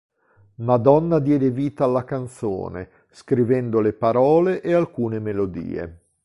Madonna diede vita alla canzone, scrivendo le parole e alcune melodie.